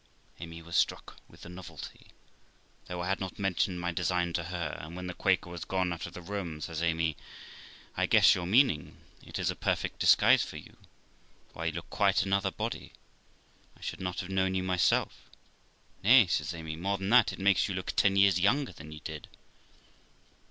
Amy was struck with the novelty, though I had not mentioned my design to her, and, when the Quaker was gone out of the room, says Amy, 'I guess your meaning; it is a perfect disguise to you. Why, you look quite another body; I should not have known you myself. Nay', says Amy, 'more than that, it makes you look ten years younger than you did.'